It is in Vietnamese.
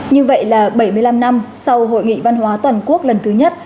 như vậy là bảy mươi năm năm sau hội nghị văn hóa toàn quốc lần thứ nhất